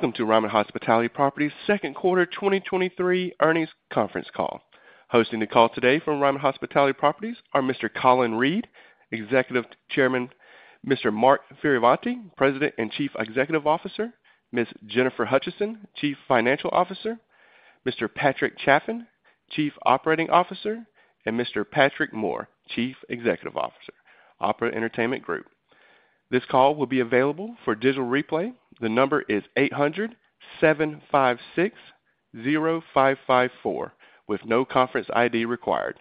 Welcome to Ryman Hospitality Properties' second quarter 2023 earnings conference call. Hosting the call today from Ryman Hospitality Properties are Mr. Colin Reed, Executive Chairman, Mr. Mark Fioravanti, President and Chief Executive Officer, Ms. Jennifer Hutcheson, Chief Financial Officer, Mr. Patrick Chaffin, Chief Operating Officer, and Mr. Patrick Moore, Chief Executive Officer, Opry Entertainment Group. This call will be available for digital replay. The number is 800-756-0554, with no conference ID required.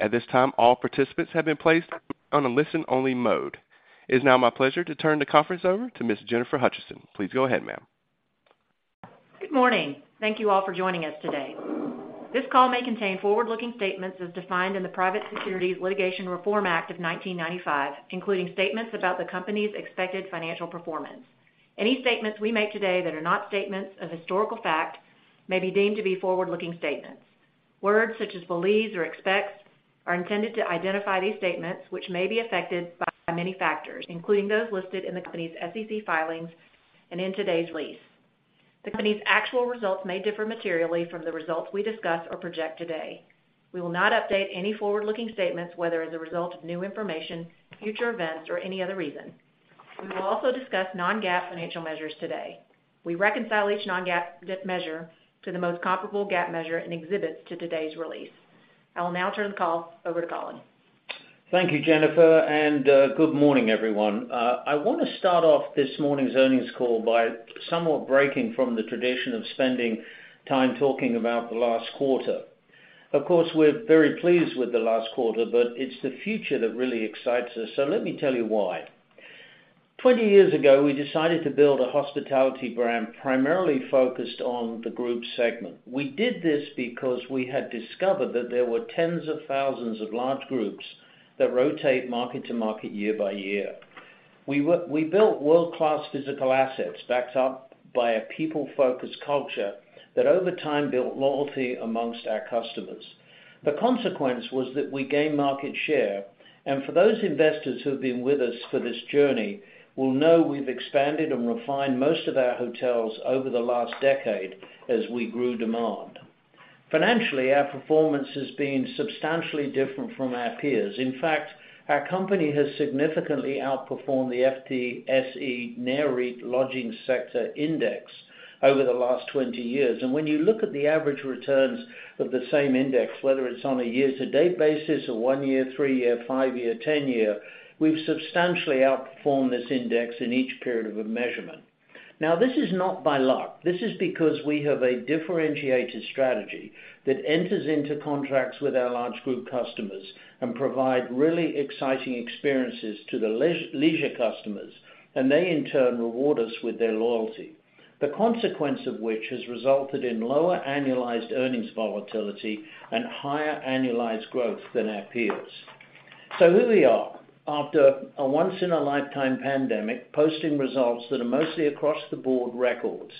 At this time, all participants have been placed on a listen-only mode. It is now my pleasure to turn the conference over to Ms. Jennifer Hutcheson. Please go ahead, ma'am. Good morning. Thank you all for joining us today. This call may contain forward-looking statements as defined in the Private Securities Litigation Reform Act of 1995, including statements about the company's expected financial performance. Any statements we make today that are not statements of historical fact may be deemed to be forward-looking statements. Words such as believes or expects are intended to identify these statements, which may be affected by many factors, including those listed in the company's SEC filings and in today's release. The company's actual results may differ materially from the results we discuss or project today. We will not update any forward-looking statements, whether as a result of new information, future events, or any other reason. We will also discuss non-GAAP financial measures today. We reconcile each non-GAAP measure to the most comparable GAAP measure in exhibits to today's release. I will now turn the call over to Colin. Thank you, Jennifer, and good morning, everyone. I want to start off this morning's earnings call by somewhat breaking from the tradition of spending time talking about the last quarter. Of course, we're very pleased with the last quarter, but it's the future that really excites us. Let me tell you why. 20 years ago, we decided to build a hospitality brand primarily focused on the group segment. We did this because we had discovered that there were tens of thousands of large groups that rotate market to market, year by year. We built world-class physical assets, backed up by a people-focused culture that, over time, built loyalty amongst our customers. The consequence was that we gained market share, and for those investors who have been with us for this journey will know we've expanded and refined most of our hotels over the last decade as we grew demand. Financially, our performance has been substantially different from our peers. In fact, our company has significantly outperformed the FTSE NAREIT Lodging Sector Index over the last 20 years. When you look at the average returns of the same index, whether it's on a year-to-date basis, a 1-year, 3-year, 5-year, 10-year, we've substantially outperformed this index in each period of a measurement. Now, this is not by luck. This is because we have a differentiated strategy that enters into contracts with our large group customers and provide really exciting experiences to the leisure customers, and they, in turn, reward us with their loyalty, the consequence of which has resulted in lower annualized earnings volatility and higher annualized growth than our peers. Here we are, after a once-in-a-lifetime pandemic, posting results that are mostly across-the-board records.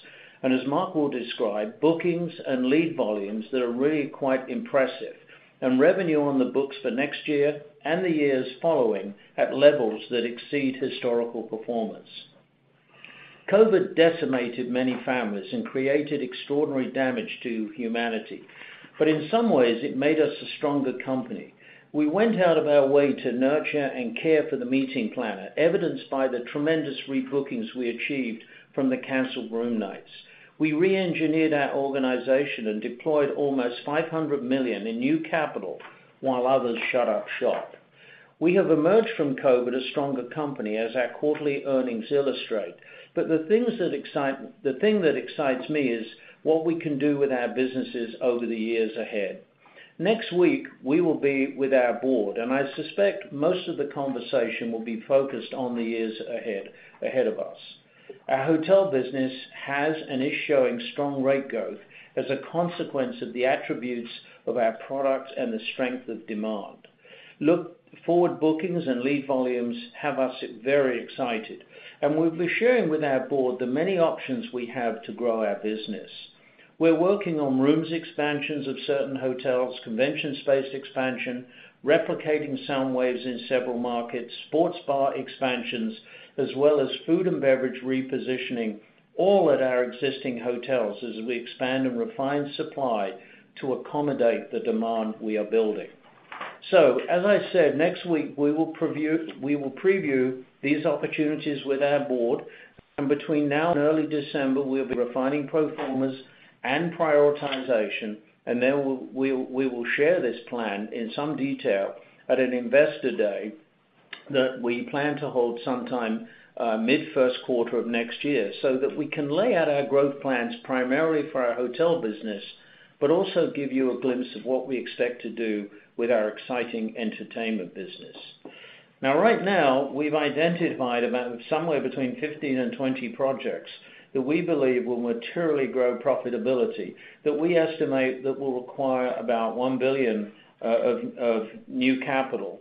As Mark will describe, bookings and lead volumes that are really quite impressive, and revenue on the books for next year and the years following, at levels that exceed historical performance. COVID decimated many families and created extraordinary damage to humanity, but in some ways, it made us a stronger company. We went out of our way to nurture and care for the meeting planner, evidenced by the tremendous rebookings we achieved from the canceled room nights. We reengineered our organization and deployed almost $500 million in new capital while others shut up shop. We have emerged from COVID a stronger company, as our quarterly earnings illustrate. The thing that excites me is what we can do with our businesses over the years ahead. Next week, we will be with our board. I suspect most of the conversation will be focused on the years ahead, ahead of us. Our hotel business has and is showing strong rate growth as a consequence of the attributes of our products and the strength of demand. Look, forward bookings and lead volumes have us very excited, and we'll be sharing with our board the many options we have to grow our business. We're working on rooms expansions of certain hotels, convention space expansion, replicating SoundWaves in several markets, sports bar expansions, as well as food and beverage repositioning, all at our existing hotels as we expand and refine supply to accommodate the demand we are building. As I said, next week, we will preview these opportunities with our board, and between now and early December, we'll be refining pro formas and prioritization, and then we will share this plan in some detail at an investor day that we plan to hold sometime mid-first quarter of next year, so that we can lay out our growth plans primarily for our hotel business, but also give you a glimpse of what we expect to do with our exciting entertainment business. Right now, we've identified about somewhere between 15 and 20 projects that we believe will materially grow profitability, that we estimate that will require about $1 billion of new capital.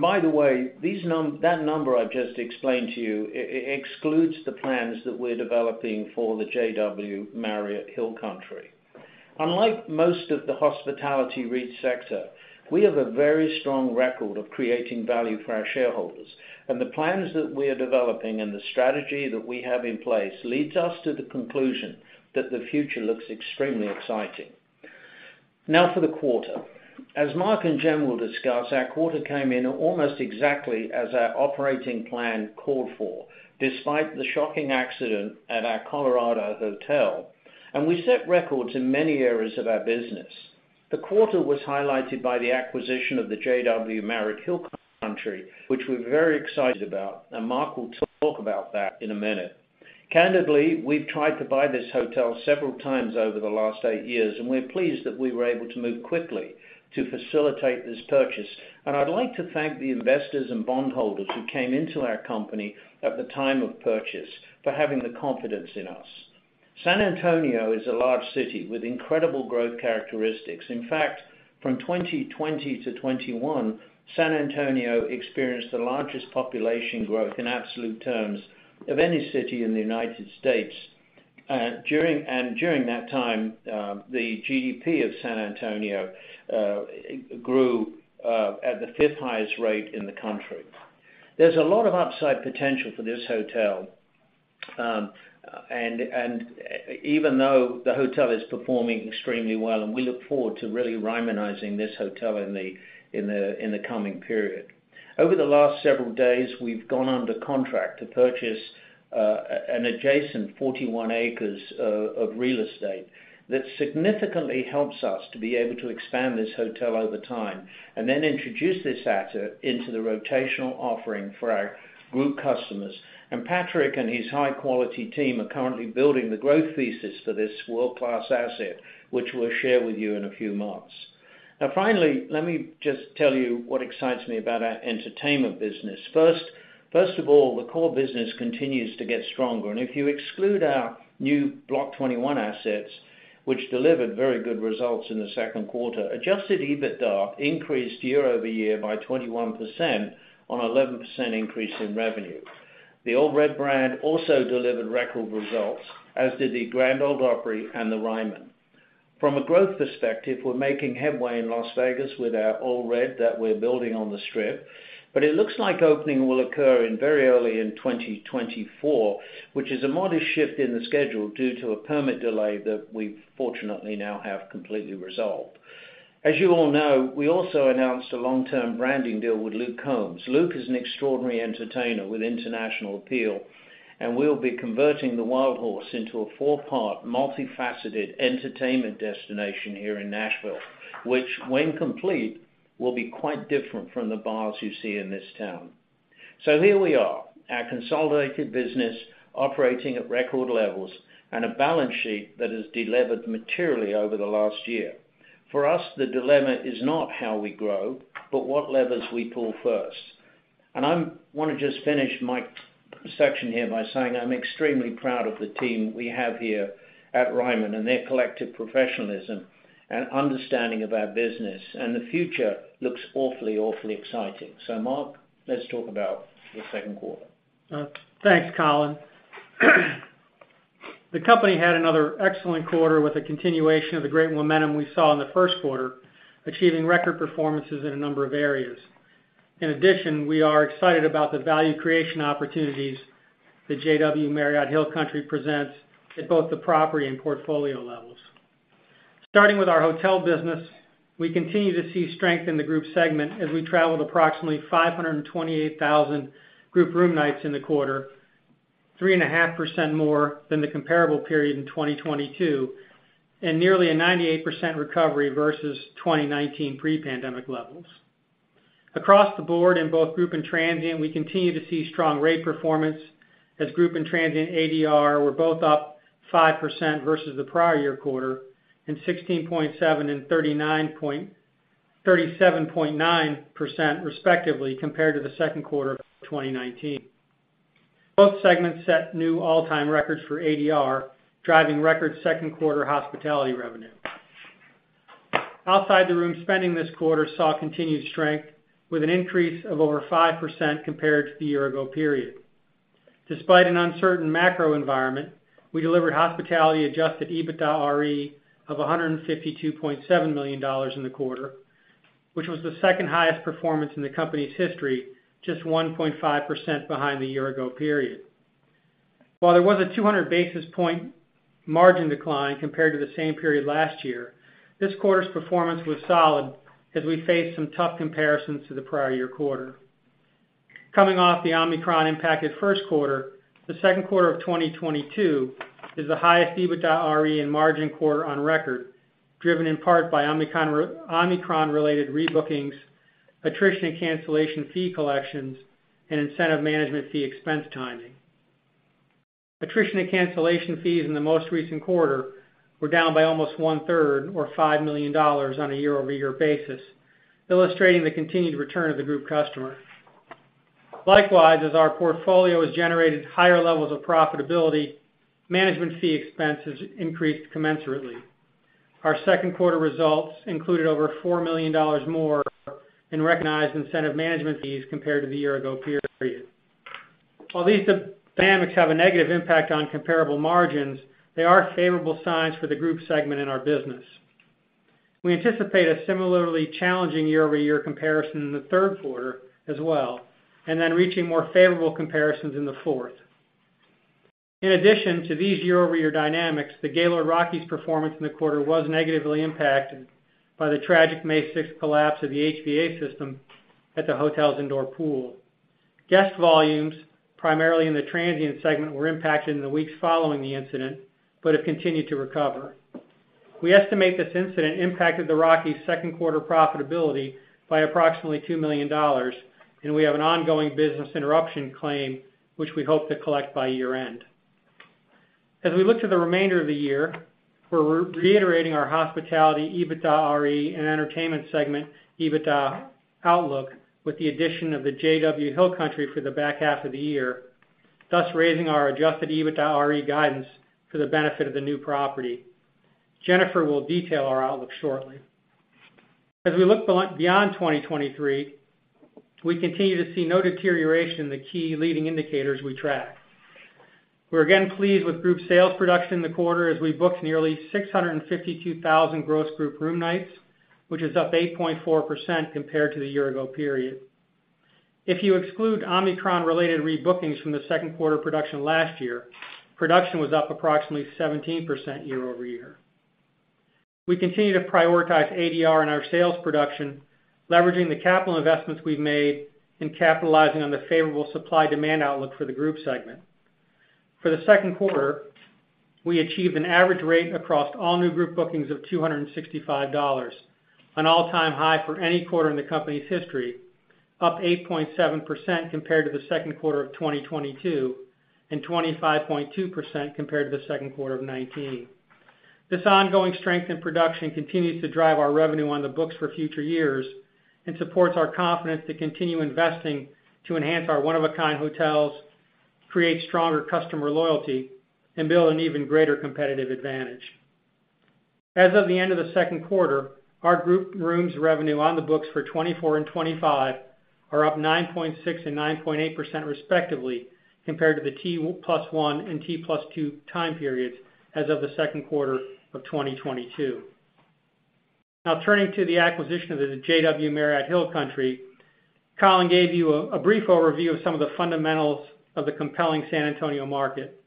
By the way, that number I've just explained to you, it excludes the plans that we're developing for the JW Marriott Hill Country. Unlike most of the hospitality REIT sector, we have a very strong record of creating value for our shareholders, and the plans that we are developing and the strategy that we have in place leads us to the conclusion that the future looks extremely exciting. For the quarter. As Mark and Jim will discuss, our quarter came in almost exactly as our operating plan called for, despite the shocking accident at our Colorado hotel, and we set records in many areas of our business. The quarter was highlighted by the acquisition of the JW Marriott Hill Country, which we're very excited about. Mark will talk about that in a minute. Candidly, we've tried to buy this hotel several times over the last eight years. We're pleased that we were able to move quickly to facilitate this purchase. I'd like to thank the investors and bondholders who came into our company at the time of purchase for having the confidence in us. San Antonio is a large city with incredible growth characteristics. In fact, from 2020 to 2021, San Antonio experienced the largest population growth in absolute terms of any city in the United States. During that time, the GDP of San Antonio grew at the fifth highest rate in the country. There's a lot of upside potential for this hotel, even though the hotel is performing extremely well, and we look forward to really Rymanizing this hotel in the coming period. Over the last several days, we've gone under contract to purchase an adjacent 41 ac of real estate. That significantly helps us to be able to expand this hotel over time and then introduce this asset into the rotational offering for our group customers. Patrick and his high-quality team are currently building the growth thesis for this world-class asset, which we'll share with you in a few months. Finally, let me just tell you what excites me about our entertainment business. First, first of all, the core business continues to get stronger. If you exclude our new Block 21 assets, which delivered very good results in the second quarter, Adjusted EBITDA increased year-over-year by 21% on 11% increase in revenue. The Ole Red brand also delivered record results, as did the Grand Ole Opry and the Ryman. From a growth perspective, we're making headway in Las Vegas with our Ole Red that we're building on the Strip. It looks like opening will occur in very early in 2024, which is a modest shift in the schedule due to a permit delay that we fortunately now have completely resolved. As you all know, we also announced a long-term branding deal with Luke Combs. Luke is an extraordinary entertainer with international appeal, we'll be converting the Wildhorse into a 4-part, multifaceted entertainment destination here in Nashville, which, when complete, will be quite different from the bars you see in this town. Here we are, our consolidated business operating at record levels and a balance sheet that has delevered materially over the last year. For us, the dilemma is not how we grow, but what levers we pull first. I want to just finish my section here by saying I'm extremely proud of the team we have here at Ryman and their collective professionalism and understanding of our business, and the future looks awfully, awfully exciting. Mark, let's talk about the second quarter. Thanks, Colin. The company had another excellent quarter with a continuation of the great momentum we saw in the first quarter, achieving record performances in a number of areas. In addition, we are excited about the value creation opportunities that JW Marriott Hill Country presents at both the property and portfolio levels. Starting with our hotel business, we continue to see strength in the group segment as we traveled approximately 528,000 group room nights in the quarter, 3.5% more than the comparable period in 2022, and nearly a 98% recovery versus 2019 pre-pandemic levels. Across the board, in both group and transient, we continue to see strong rate performance, as group and transient ADR were both up 5% versus the prior year quarter, and 16.7% and 37.9%, respectively, compared to the second quarter of 2019. Both segments set new all-time records for ADR, driving record second quarter hospitality revenue. Outside the room, spending this quarter saw continued strength with an increase of over 5% compared to the year ago period. Despite an uncertain macro environment, we delivered hospitality Adjusted EBITDAre of $152.7 million in the quarter, which was the second highest performance in the company's history, just 1.5% behind the year ago period. While there was a 200 basis point margin decline compared to the same period last year, this quarter's performance was solid as we faced some tough comparisons to the prior year quarter. Coming off the Omicron-impacted first quarter, the second quarter of 2022 is the highest EBITDAre and margin quarter on record, driven in part by Omicron-related rebookings, attrition and cancellation fee collections, and incentive management fee expense timing. Attrition and cancellation fees in the most recent quarter were down by almost one third or $5 million on a year-over-year basis, illustrating the continued return of the group customer. Likewise, as our portfolio has generated higher levels of profitability, management fee expenses increased commensurately. Our second quarter results included over $4 million more in recognized incentive management fees compared to the year ago period. While these dynamics have a negative impact on comparable margins, they are favorable signs for the group segment in our business. We anticipate a similarly challenging year-over-year comparison in the third quarter as well, and then reaching more favorable comparisons in the fourth. In addition to these year-over-year dynamics, the Gaylord Rockies performance in the quarter was negatively impacted by the tragic May 6 collapse of the HVAC system at the hotel's indoor pool. Guest volumes, primarily in the transient segment, were impacted in the weeks following the incident, but have continued to recover. We estimate this incident impacted the Rockies' second quarter profitability by approximately $2 million, and we have an ongoing business interruption claim, which we hope to collect by year-end. As we look to the remainder of the year, we're reiterating our hospitality, EBITDAre, and Entertainment segment, EBITDA outlook, with the addition of the JW Hill Country for the back half of the year, thus raising our Adjusted EBITDAre guidance for the benefit of the new property. Jennifer will detail our outlook shortly. As we look beyond 2023, we continue to see no deterioration in the key leading indicators we track. We're again pleased with group sales production in the quarter as we booked nearly 652,000 gross group room nights, which is up 8.4% compared to the year ago period. If you exclude Omicron-related rebookings from the second quarter production last year, production was up approximately 17% year-over-year. We continue to prioritize ADR in our sales production, leveraging the capital investments we've made and capitalizing on the favorable supply-demand outlook for the group segment. For the second quarter, we achieved an average rate across all new group bookings of $265, an all-time high for any quarter in the company's history, up 8.7% compared to the second quarter of 2022, and 25.2% compared to the second quarter of 2019. This ongoing strength in production continues to drive our revenue on the books for future years and supports our confidence to continue investing to enhance our one-of-a-kind hotels, create stronger customer loyalty, and build an even greater competitive advantage. As of the end of the second quarter, our group rooms revenue on the books for 2024 and 2025 are up 9.6% and 9.8%, respectively, compared to the T+1 and T+2 time periods as of the second quarter of 2022. Turning to the acquisition of the JW Marriott Hill Country. Colin gave you a brief overview of some of the fundamentals of the compelling San Antonio market.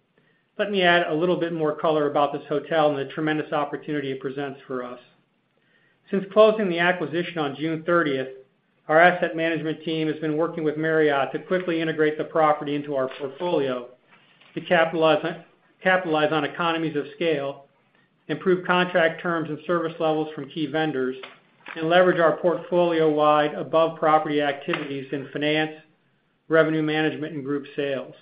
Let me add a little bit more color about this hotel and the tremendous opportunity it presents for us. Since closing the acquisition on June 30th, our asset management team has been working with Marriott to quickly integrate the property into our portfolio to capitalize on economies of scale, improve contract terms and service levels from key vendors, and leverage our portfolio-wide above-property activities in finance, revenue management, and group sales.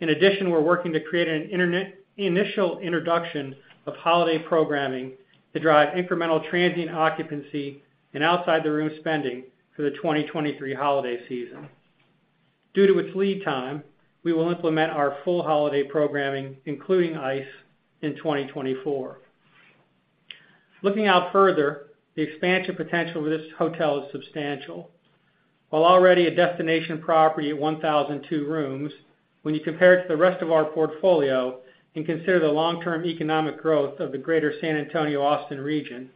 In addition, we're working to create an initial introduction of holiday programming to drive incremental transient occupancy and outside-the-room spending for the 2023 holiday season. Due to its lead time, we will implement our full holiday programming, including ICE!, in 2024. Looking out further, the expansion potential for this hotel is substantial. While already a destination property at 1,002 rooms, when you compare it to the rest of our portfolio and consider the long-term economic growth of the greater San Antonio, Austin region,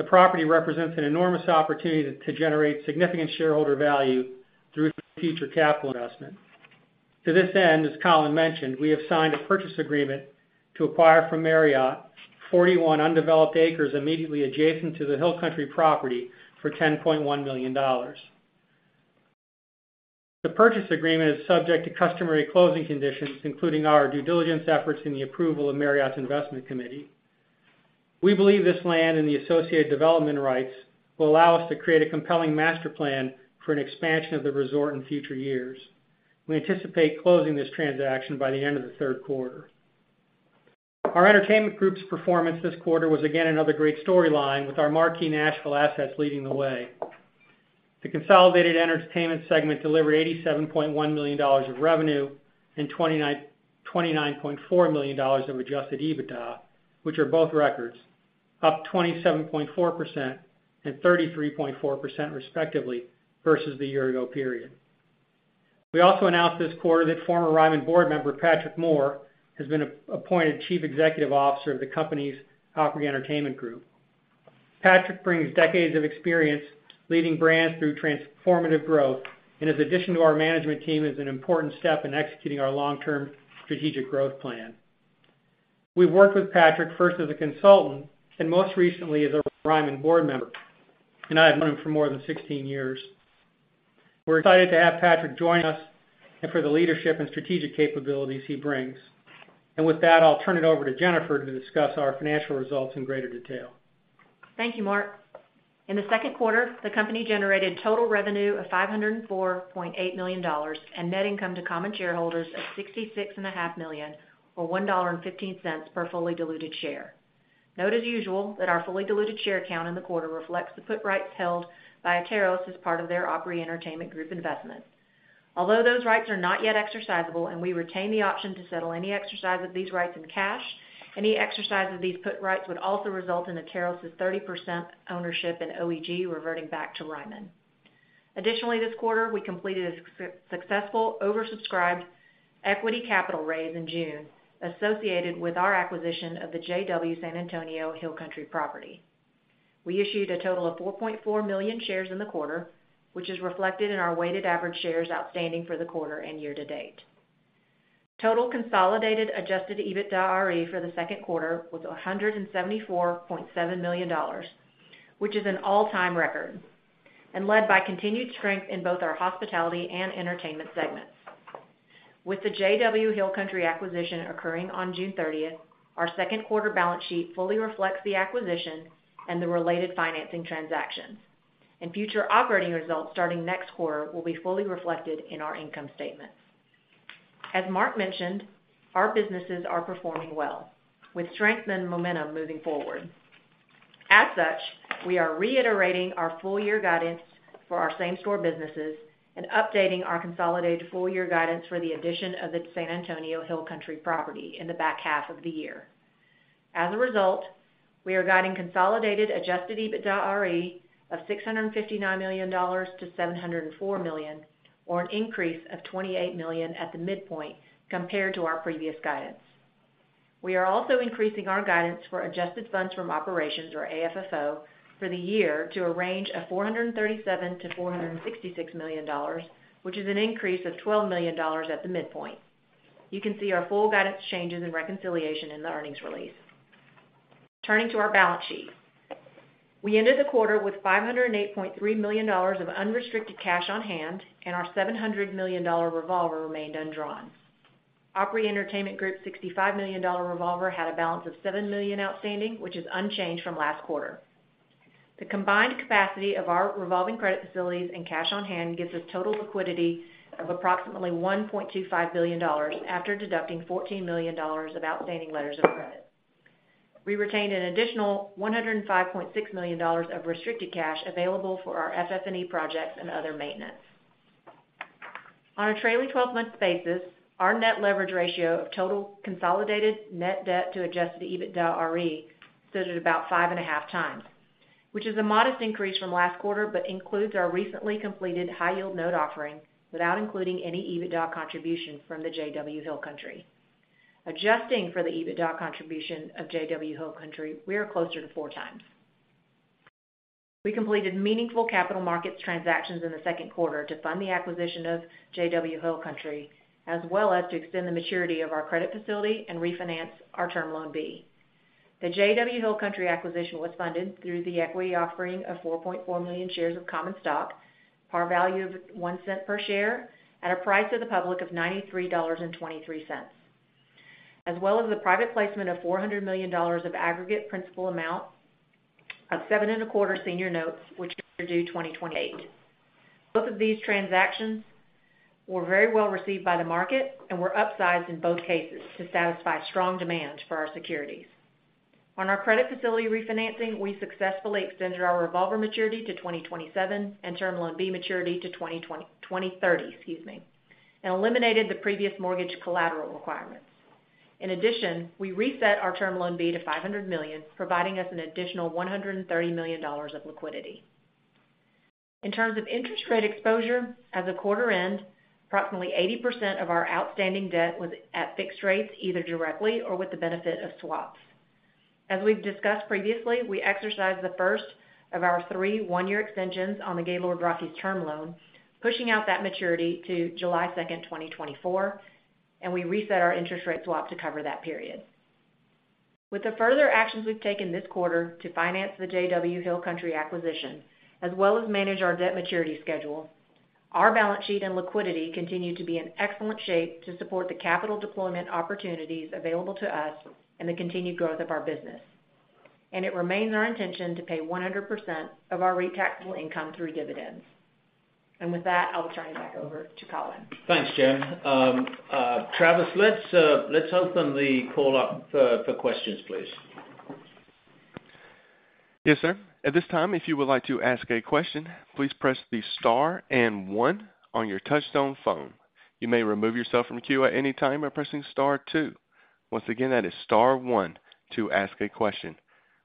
the property represents an enormous opportunity to generate significant shareholder value through future capital investment. To this end, as Colin mentioned, we have signed a purchase agreement to acquire from Marriott 41 undeveloped acres immediately adjacent to the Hill Country property for $10.1 million. The purchase agreement is subject to customary closing conditions, including our due diligence efforts and the approval of Marriott's investment committee. We believe this land and the associated development rights will allow us to create a compelling master plan for an expansion of the resort in future years. We anticipate closing this transaction by the end of the third quarter. Our entertainment group's performance this quarter was again another great storyline, with our marquee Nashville assets leading the way. The consolidated Entertainment segment delivered $87.1 million of revenue and $29.4 million of Adjusted EBITDA, which are both records, up 27.4% and 33.4% respectively, versus the year ago period. We also announced this quarter that former Ryman board member, Patrick Moore, has been appointed Chief Executive Officer of the company's Opry Entertainment Group. Patrick brings decades of experience leading brands through transformative growth, and his addition to our management team is an important step in executing our long-term strategic growth plan. We've worked with Patrick first as a consultant and most recently as a Ryman board member, and I have known him for more than 16 years. We're excited to have Patrick join us and for the leadership and strategic capabilities he brings. With that, I'll turn it over to Jennifer to discuss our financial results in greater detail. Thank you, Mark. In the second quarter, the company generated total revenue of $504.8 million, and net income to common shareholders of $66.5 million, or $1.15 per fully diluted share. Note as usual, that our fully diluted share count in the quarter reflects the put rights held by Atairos as part of their Opry Entertainment Group investment. Although those rights are not yet exercisable, and we retain the option to settle any exercise of these rights in cash, any exercise of these put rights would also result in Atairos' 30% ownership in OEG reverting back to Ryman. This quarter, we completed a successful oversubscribed equity capital raise in June, associated with our acquisition of the JW San Antonio Hill Country property. We issued a total of 4.4 million shares in the quarter, which is reflected in our weighted average shares outstanding for the quarter and year to date. Total consolidated Adjusted EBITDAre for the second quarter was $174.7 million, which is an all-time record, and led by continued strength in both our Hospitality and Entertainment segments. With the JW Hill Country acquisition occurring on June 30th, our second quarter balance sheet fully reflects the acquisition and the related financing transactions. Future operating results, starting next quarter, will be fully reflected in our income statements. As Mark mentioned, our businesses are performing well, with strength and momentum moving forward. As such, we are reiterating our full-year guidance for our same store businesses and updating our consolidated full-year guidance for the addition of the San Antonio Hill Country property in the back half of the year. As a result, we are guiding consolidated Adjusted EBITDAre of $659 million-$704 million, or an increase of $28 million at the midpoint compared to our previous guidance. We are also increasing our guidance for adjusted funds from operations, or AFFO, for the year to a range of $437 million-$466 million, which is an increase of $12 million at the midpoint. You can see our full guidance changes and reconciliation in the earnings release. Turning to our balance sheet. We ended the quarter with $508.3 million of unrestricted cash on hand, and our $700 million revolver remained undrawn. Opry Entertainment Group's $65 million revolver had a balance of $7 million outstanding, which is unchanged from last quarter. The combined capacity of our revolving credit facilities and cash on hand gives us total liquidity of approximately $1.25 billion, after deducting $14 million of outstanding letters of credit. We retained an additional $105.6 million of restricted cash available for our FF&E projects and other maintenance. On a trailing 12-month basis, our net leverage ratio of total consolidated net debt to Adjusted EBITDAre sits at about 5.5x, which is a modest increase from last quarter, but includes our recently completed high-yield note offering, without including any EBITDA contribution from the JW Hill Country. Adjusting for the EBITDA contribution of JW Hill Country, we are closer to 4x. We completed meaningful capital markets transactions in the second quarter to fund the acquisition of JW Hill Country, as well as to extend the maturity of our credit facility and refinance our Term Loan B. The JW Hill Country acquisition was funded through the equity offering of 4.4 million shares of common stock, par value of $0.01 per share, at a price to the public of $93.23, as well as the private placement of $400 million of aggregate principal amount of 7.25% senior notes, which are due 2028. Both of these transactions were very well received by the market and were upsized in both cases to satisfy strong demand for our securities. On our credit facility refinancing, we successfully extended our revolver maturity to 2027 and Term Loan B maturity to 2030, excuse me, and eliminated the previous mortgage collateral requirements. In addition, we reset our Term Loan B to $500 million, providing us an additional $130 million of liquidity. In terms of interest rate exposure, at the quarter end, approximately 80% of our outstanding debt was at fixed rates, either directly or with the benefit of swaps. As we've discussed previously, we exercised the first of our three one-year extensions on the Gaylord Rockies Term Loan, pushing out that maturity to July 2nd, 2024, and we reset our interest rate swap to cover that period. With the further actions we've taken this quarter to finance the JW Hill Country acquisition, as well as manage our debt maturity schedule, our balance sheet and liquidity continue to be in excellent shape to support the capital deployment opportunities available to us and the continued growth of our business. It remains our intention to pay 100% of our REIT taxable income through dividends. With that, I'll turn it back over to Colin. Thanks, Jen. Travis, let's open the call up for questions, please. Yes, sir. At this time, if you would like to ask a question, please press the star and one on your touchtone phone. You may remove yourself from the queue at any time by pressing star two. Once again, that is star one to ask a question.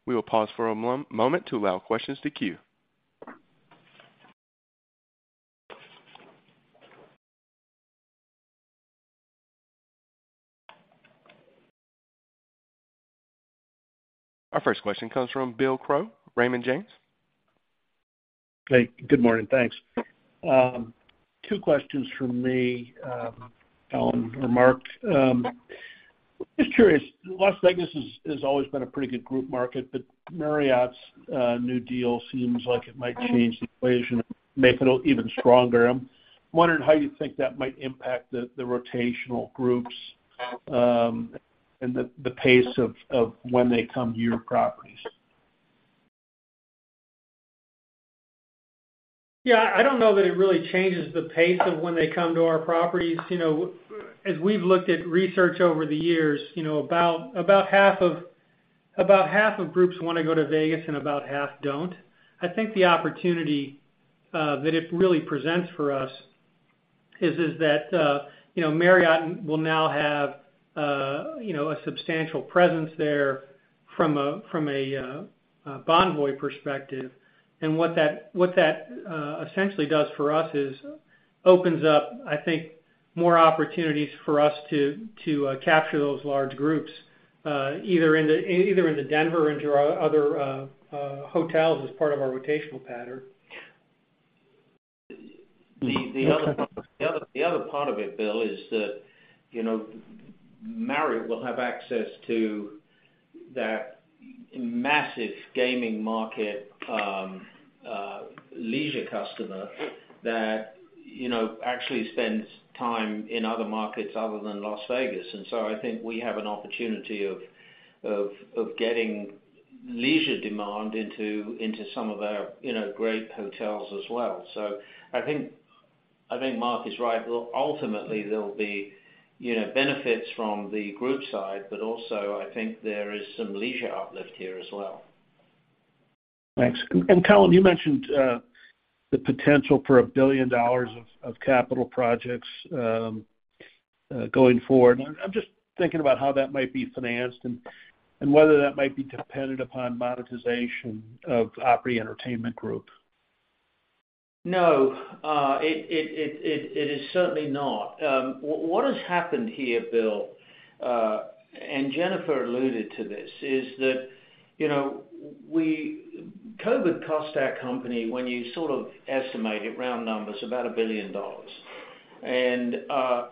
We will pause for a moment to allow questions to queue. Our first question comes from Bill Crow, Raymond James. Hey, good morning, thanks. two questions from me, Colin or Mark. Just curious, Las Vegas has always been a pretty good group market, but Marriott's new deal seems like it might change the equation, make it even stronger. I'm wondering how you think that might impact the rotational groups and the pace of when they come to your properties? Yeah, I don't know that it really changes the pace of when they come to our properties. You know, as we've looked at research over the years, you know, about half of groups wanna go to Vegas, and about half don't. I think the opportunity that it really presents for us...... is, is that, you know, Marriott will now have, you know, a substantial presence there from a, from a, Bonvoy perspective. What that, what that, essentially does for us is opens up, I think, more opportunities for us to, to, capture those large groups, either in the, either in the Denver into our other, hotels as part of our rotational pattern. The, the other part, the other, the other part of it, Bill, is that, you know, Marriott will have access to that massive gaming market, leisure customer that, you know, actually spends time in other markets other than Las Vegas. So I think we have an opportunity of, of, of getting leisure demand into, into some of our, you know, great hotels as well. I think, I think Mark is right. Look, ultimately, there'll be, you know, benefits from the group side, but also I think there is some leisure uplift here as well. Thanks. Colin, you mentioned, the potential for $1 billion of capital projects, going forward. I'm just thinking about how that might be financed and whether that might be dependent upon monetization of Opry Entertainment Group. No, it, it, it, it, it is certainly not. What, what has happened here, Bill, and Jennifer alluded to this, is that, you know, we... COVID cost our company, when you sort of estimate it, round numbers, about $1 billion. You know,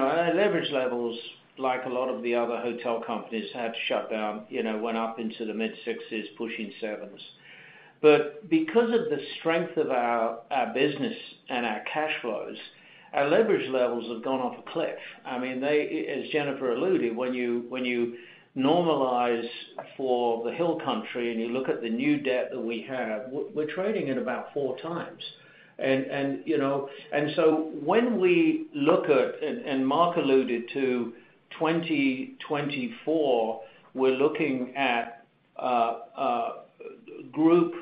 our leverage levels, like a lot of the other hotel companies had to shut down, you know, went up into the mid-60s, pushing 7s. Because of the strength of our, our business and our cash flows, our leverage levels have gone off a cliff. I mean, they, as Jennifer alluded, when you, when you normalize for the Hill Country and you look at the new debt that we have, we're, we're trading at about 4x. You know, when we look at, Mark alluded to 2024, we're looking at group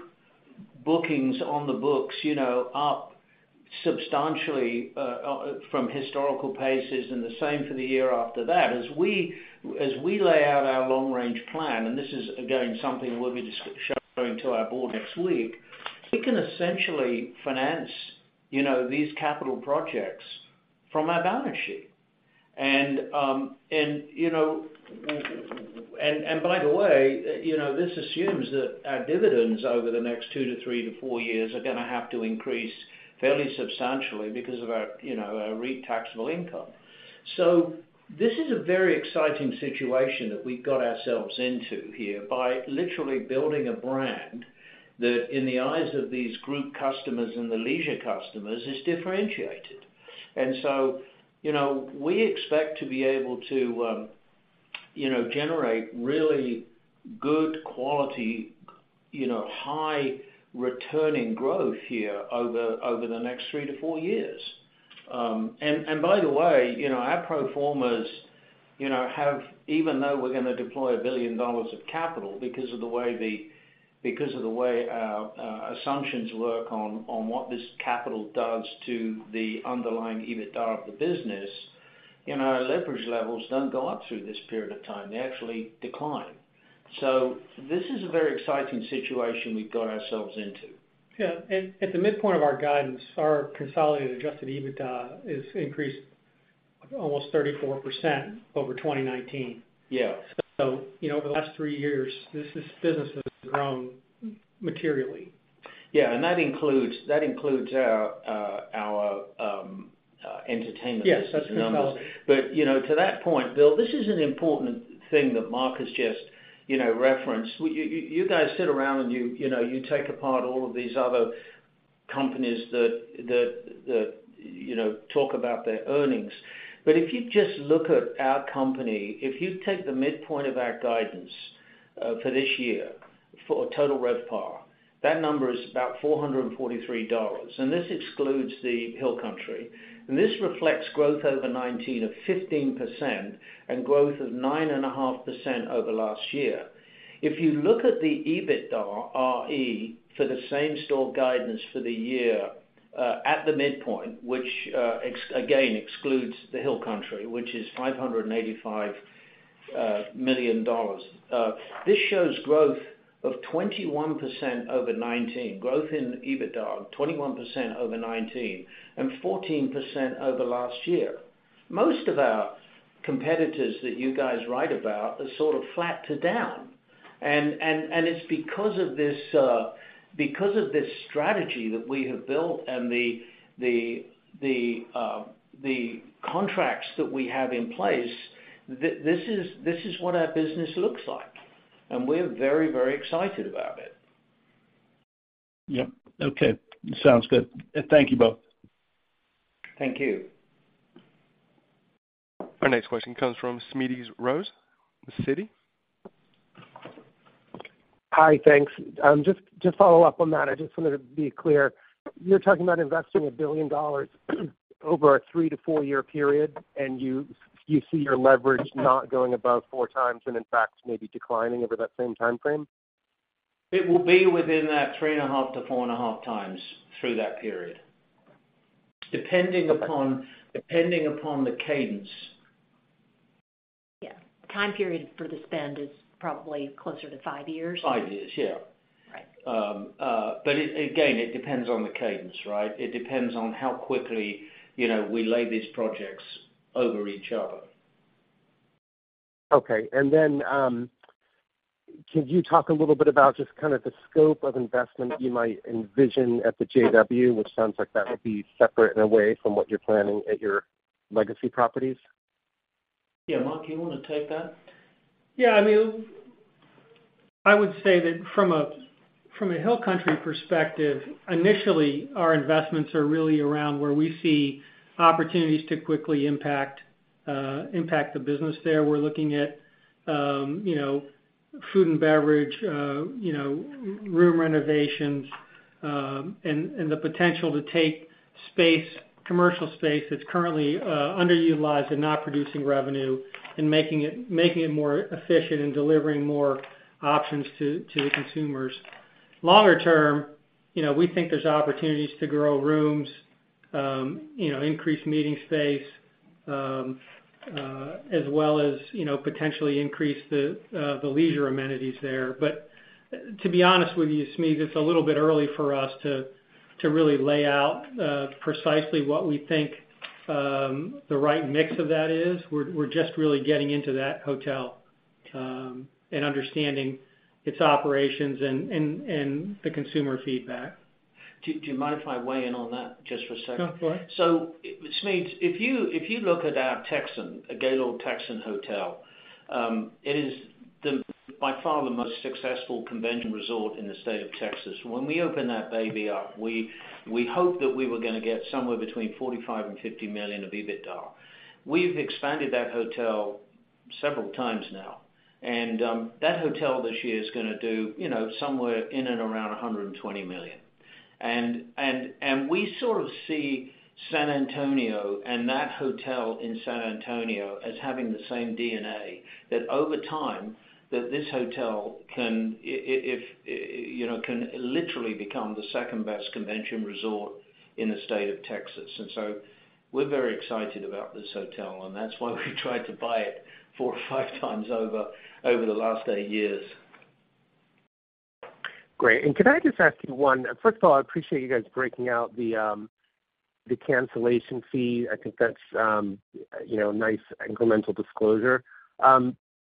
bookings on the books, you know, up substantially from historical paces, and the same for the year after that. As we, as we lay out our long-range plan, and this is again, something we'll be showing to our board next week, we can essentially finance, you know, these capital projects from our balance sheet. You know, by the way, you know, this assumes that our dividends over the next two years to three years to four years are going to have to increase fairly substantially because of our, you know, our REIT taxable income. This is a very exciting situation that we've got ourselves into here by literally building a brand that, in the eyes of these group customers and the leisure customers, is differentiated. So, you know, we expect to be able to, you know, generate really good quality, you know, high returning growth here over, over the next 3 years-4 years. By the way, you know, our pro formas, you know, have, even though we're going to deploy $1 billion of capital because of the way the because of the way our assumptions work on, on what this capital does to the underlying EBITDA of the business, you know, our leverage levels don't go up through this period of time. They actually decline. This is a very exciting situation we've got ourselves into. Yeah. At the midpoint of our guidance, our consolidated Adjusted EBITDA is increased almost 34% over 2019. Yeah. You know, over the last three years, this business has grown materially. Yeah, that includes, that includes our, our, entertainment numbers. Yes, that's consolidated. You know, to that point, Bill, this is an important thing that Mark has just, you know, referenced. You, you, you guys sit around and you, you know, you take apart all of these other companies that, that, that, you know, talk about their earnings. If you just look at our company, if you take the midpoint of our guidance for this year for total RevPAR, that number is about $443, and this excludes the Hill Country. This reflects growth over 2019 of 15% and growth of 9.5% over last year. If you look at the EBITDAre for the same store guidance for the year, at the midpoint, which again, excludes the Hill Country, which is $585 million, this shows growth of 21% over 2019, growth in EBITDA, 21% over 2019 and 14% over last year. Most of our competitors that you guys write about are sort of flat to down. It's because of this, because of this strategy that we have built and the contracts that we have in place, this is, this is what our business looks like, and we're very, very excited about it. Yep. Okay. Sounds good. Thank you both. Thank you. Our next question comes from Smedes Rose with Citi. Hi, thanks. Just to follow up on that, I just wanted to be clear. You're talking about investing $1 billion over a 3-4 year period, and you, you see your leverage not going above 4x and in fact, maybe declining over that same timeframe? It will be within that 3.5x-4.5x through that period, depending upon, depending upon the cadence. Yeah. Time period for the spend is probably closer to five years? Five years, yeah. Right. It, again, it depends on the cadence, right? It depends on how quickly, you know, we lay these projects over each other. Okay. Then, could you talk a little bit about just kind of the scope of investment you might envision at the JW, which sounds like that will be separate and away from what you're planning at your legacy properties? Yeah. Mark, you want to take that? Yeah, I mean, I would say that from a, from a Hill Country perspective, initially, our investments are really around where we see opportunities to quickly impact, impact the business there. We're looking at, you know, food and beverage, you know, room renovations, and, and the potential to take space, commercial space that's currently underutilized and not producing revenue, and making it, making it more efficient and delivering more options to, to the consumers. Longer term, you know, we think there's opportunities to grow rooms, you know, increase meeting space, as well as, you know, potentially increase the leisure amenities there. To be honest with you, Smedes, it's a little bit early for us to, to really lay out precisely what we think the right mix of that is. We're, we're just really getting into that hotel, and understanding its operations and, and, and the consumer feedback. Do, do you mind if I weigh in on that just for a second? No, go ahead. Smedes, if you, if you look at our Texan, a Gaylord Texan Hotel, it is the, by far, the most successful convention resort in the state of Texas. When we opened that baby up, we, we hoped that we were going to get somewhere between $45 million and $50 million of EBITDA. We've expanded that hotel several times now, and that hotel this year is going to do, you know, somewhere in and around $120 million. And, and we sort of see San Antonio and that hotel in San Antonio as having the same DNA, that over time, that this hotel can if, you know, can literally become the second-best convention resort in the state of Texas. So we're very excited about this hotel, and that's why we tried to buy it 4x or 5x over, over the last eight years. Great. Could I just ask you one. First of all, I appreciate you guys breaking out the cancellation fee. I think that's, you know, nice incremental disclosure.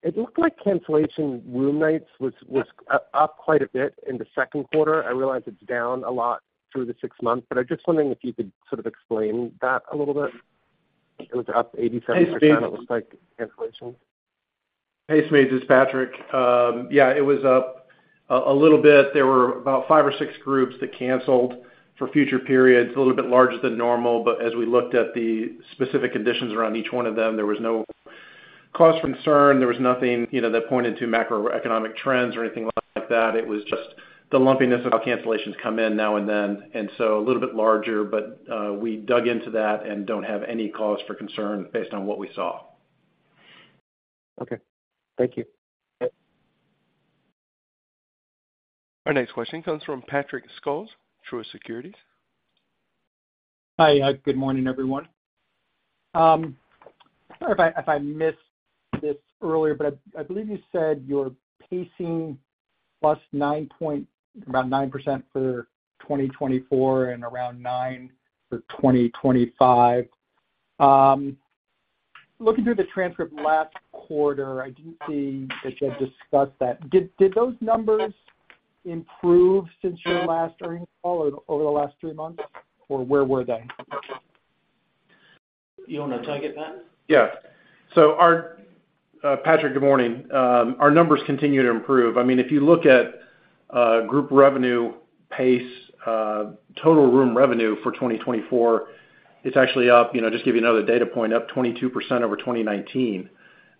It looked like cancellation room nights was up quite a bit in the second quarter. I realize it's down a lot through the six months, I'm just wondering if you could sort of explain that a little bit. It was up 87%, it was like, cancellation. Hey, Smedes, it's Patrick. Yeah, it was up a little bit. There were about five or six groups that canceled for future periods, a little bit larger than normal. As we looked at the specific conditions around each one of them, there was no cause for concern. There was nothing, you know, that pointed to macroeconomic trends or anything like that. It was just the lumpiness of how cancellations come in now and then, and so a little bit larger, but we dug into that and don't have any cause for concern based on what we saw. Okay. Thank you. Yep. Our next question comes from Patrick Scholes, Truist Securities. Hi, good morning, everyone. Sorry if I missed this earlier, but I believe you said you're pacing plus 9% for 2024 and around 9% for 2025. Looking through the transcript last quarter, I didn't see that you had discussed that. Did those numbers improve since your last earnings call or over the last three months, or where were they? You want to take it, Pat? Yes. Our... Patrick, good morning. Our numbers continue to improve. I mean, if you look at group revenue pace, total room revenue for 2024, it's actually up, you know, just give you another data point, up 22% over 2019.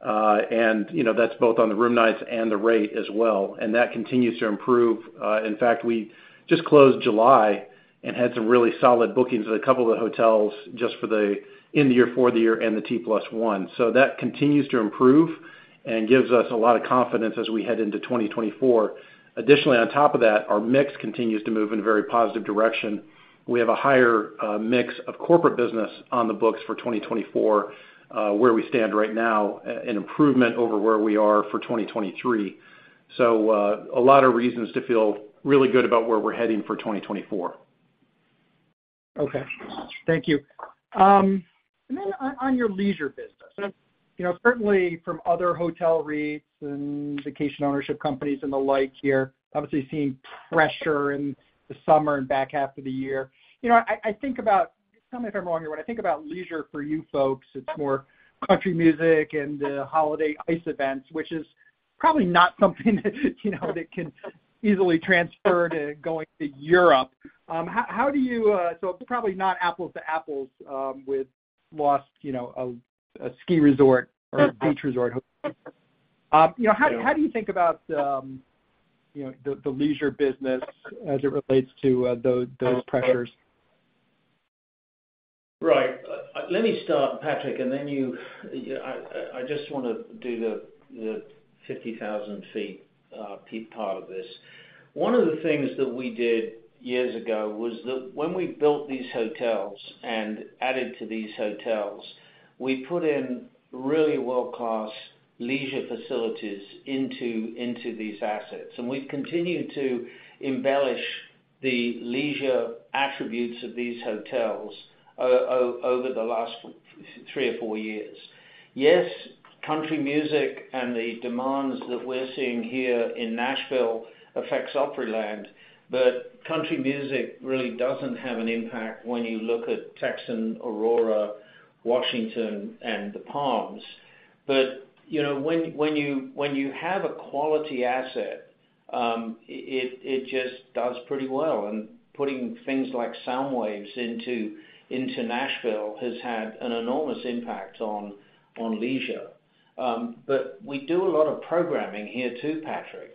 You know, that's both on the room nights and the rate as well, and that continues to improve. In fact, we just closed July and had some really solid bookings at a couple of the hotels just for the end of year, fourth year, and the T+1. That continues to improve and gives us a lot of confidence as we head into 2024. Additionally, on top of that, our mix continues to move in a very positive direction. We have a higher mix of Corporate business on the books for 2024, where we stand right now, an improvement over where we are for 2023. A lot of reasons to feel really good about where we're heading for 2024. Okay. Thank you. On, on your leisure business, you know, certainly from other hotel REITs and vacation ownership companies and the like here, obviously seeing pressure in the summer and back half of the year. You know, I, I think about, tell me if I'm wrong here, when I think about leisure for you folks, it's more country music and holiday ICE! events, which is probably not something that, you know, that can easily transfer to going to Europe. How, how do you... probably not apples to apples, with lost, you know, a, a ski resort or a beach resort. You know, how, how do you think about, you know, the, the leisure business as it relates to those, those pressures? Right. Let me start, Patrick, and then you, you, I, I just want to do the, the 50,000 ft part of this. One of the things that we did years ago was that when we built these hotels and added to these hotels, we put in really world-class leisure facilities into, into these assets, and we've continued to embellish the leisure attributes of these hotels over the last three or four years. Yes, country music and the demands that we're seeing here in Nashville affects Opryland, but country music really doesn't have an impact when you look at Texan, Aurora, Washington, and the Palms. You know, when, when you, when you have a quality asset, it, it just does pretty well. Putting things like SoundWaves into, into Nashville has had an enormous impact on, on leisure. We do a lot of programming here, too, Patrick.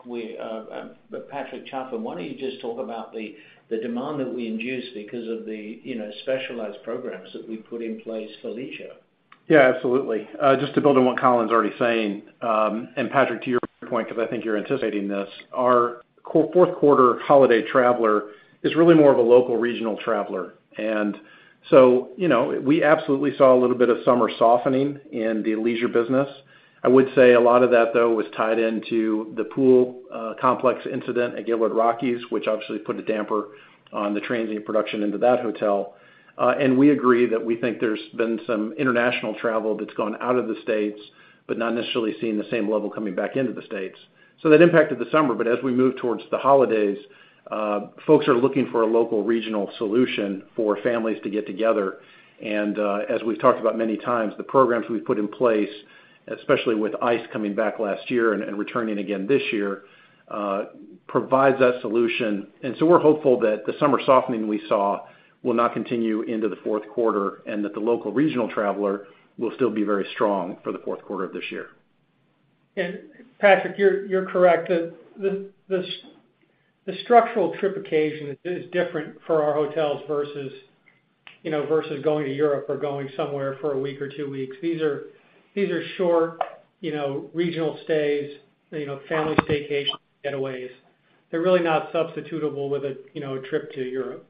Patrick Chaffin, why don't you just talk about the, the demand that we induce because of the, you know, specialized programs that we put in place for leisure? Yeah, absolutely. just to build on what Colin's already saying, Patrick, to your point, because I think you're anticipating this. Our 4th quarter holiday traveler is really more of a local, regional traveler, you know, we absolutely saw a little bit of summer softening in the leisure business. I would say a lot of that, though, was tied into the pool, complex incident at Gaylord Rockies, which obviously put a damper on the transient production into that hotel. We agree that we think there's been some international travel that's gone out of the States, but not necessarily seeing the same level coming back into the States. That impacted the summer, but as we move towards the holidays, folks are looking for a local, regional solution for families to get together. As we've talked about many times, the programs we've put in place, especially with ICE! coming back last year and, and returning again this year, provides that solution. We're hopeful that the summer softening we saw will not continue into the fourth quarter, and that the local regional traveler will still be very strong for the fourth quarter of this year. Patrick, you're, you're correct. The, the, the structural trip occasion is, is different for our hotels versus, you know, versus going to Europe or going somewhere for a week or two weeks. These are, these are short, you know, regional stays, you know, family staycation getaways. They're really not substitutable with a, you know, a trip to Europe.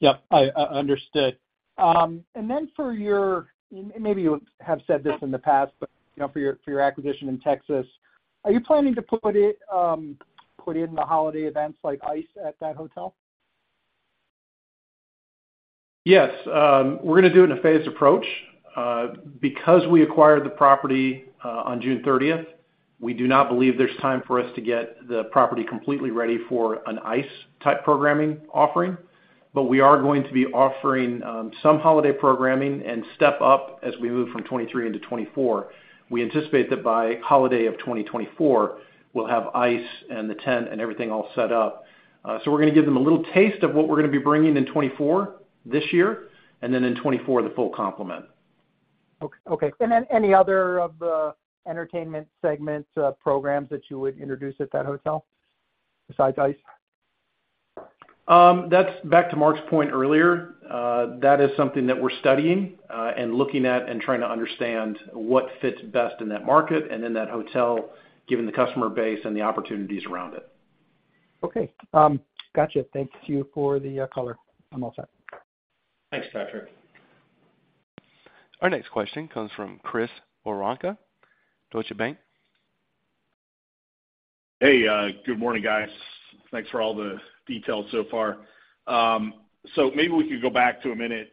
Yep, I, I understood. For your... Maybe you have said this in the past, but, you know, for your, for your acquisition in Texas, are you planning to put it, put in the holiday events like ICE! at that hotel? Yes, we're going to do it in a phased approach. Because we acquired the property on June 30th, we do not believe there's time for us to get the property completely ready for an ICE!-type programming offering. We are going to be offering some holiday programming and step up as we move from 2023 into 2024. We anticipate that by holiday of 2024, we'll have ICE! and the tent and everything all set up. We're going to give them a little taste of what we're going to be bringing in 2024, this year, and then in 2024, the full complement. Okay. Any other of the Entertainment segment, programs that you would introduce at that hotel, besides ICE!? That's back to Mark's point earlier. That is something that we're studying, and looking at and trying to understand what fits best in that market and in that hotel, given the customer base and the opportunities around it. Okay. Gotcha. Thank you for the color. I'm all set. Thanks, Patrick. Our next question comes from Chris Woronka, Deutsche Bank. Hey, good morning, guys. Thanks for all the details so far. Maybe we could go back to a minute,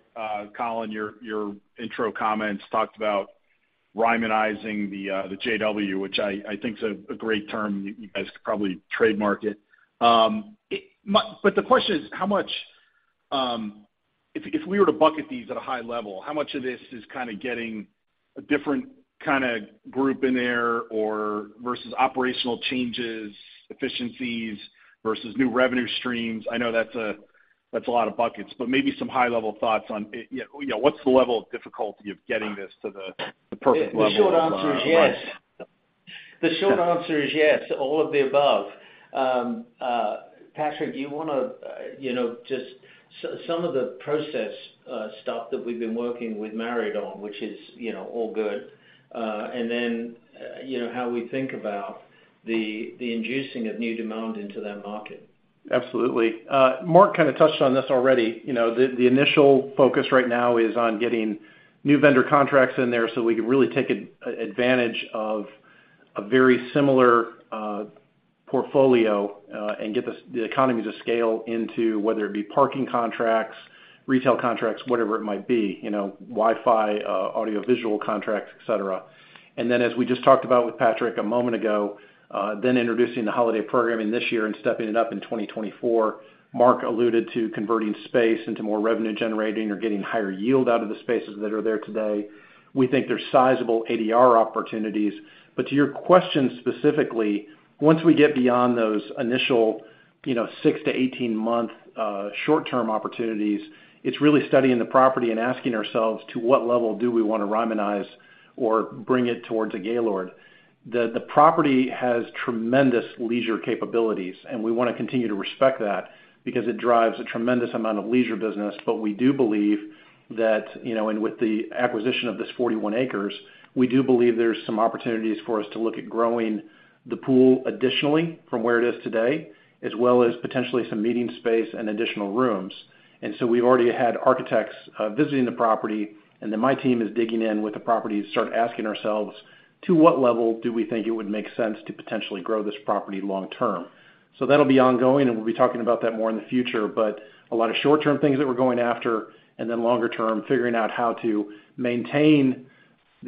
Colin, your, your intro comments, talked about Rymanizing the JW, which I, I think is a, a great term. You, you guys could probably trademark it. The question is, how much, if, if we were to bucket these at a high level, how much of this is kind of getting a different kind of group in there, or versus operational changes, efficiencies, versus new revenue streams? I know that's a, that's a lot of buckets, but maybe some high-level thoughts on it. Yeah, you know, what's the level of difficulty of getting this to the, the perfect level? The short answer is yes. The short answer is yes, all of the above. Patrick, do you want to, you know, just some, some of the process, stuff that we've been working with Marriott on, which is, you know, all good, and then, you know, how we think about the, the inducing of new demand into that market? Absolutely. Mark kind of touched on this already. The initial focus right now is on getting new vendor contracts in there, so we can really take advantage of a very similar portfolio and get the economies of scale into whether it be parking contracts, retail contracts, whatever it might be, you know, Wi-Fi, audio-visual contracts, et cetera. As we just talked about with Patrick a moment ago, then introducing the holiday programming this year and stepping it up in 2024, Mark alluded to converting space into more revenue generating or getting higher yield out of the spaces that are there today. We think there's sizable ADR opportunities. To your question, specifically, once we get beyond those initial, you know, 6-month-18-month short-term opportunities, it's really studying the property and asking ourselves, to what level do we want to Rymanize or bring it towards a Gaylord? The property has tremendous leisure capabilities, and we want to continue to respect that because it drives a tremendous amount of leisure business. We do believe that, you know, and with the acquisition of this 41 acres, we do believe there's some opportunities for us to look at growing the pool additionally from where it is today, as well as potentially some meeting space and additional rooms. We've already had architects visiting the property, and then my team is digging in with the property to start asking ourselves, "To what level do we think it would make sense to potentially grow this property long term?" That'll be ongoing, and we'll be talking about that more in the future, but a lot of short-term things that we're going after, and then longer term, figuring out how to maintain the